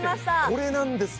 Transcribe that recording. これなんです